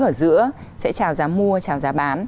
ở giữa sẽ trào giá mua trào giá bán